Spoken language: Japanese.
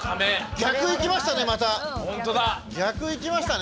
逆いきましたね